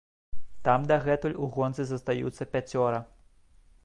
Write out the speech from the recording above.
Там дагэтуль у гонцы застаюцца пяцёра.